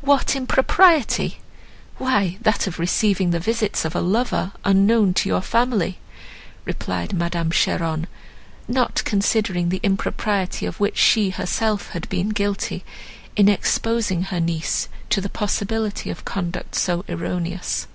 "What impropriety! why that of receiving the visits of a lover unknown to your family," replied Madame Cheron, not considering the impropriety of which she had herself been guilty, in exposing her niece to the possibility of conduct so erroneous.